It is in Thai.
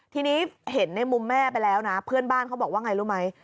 ทีนี้เห็นในมุมแม่ไปแล้วนะเพื่อนบ้านเขาบอกว่าไงรู้ไหม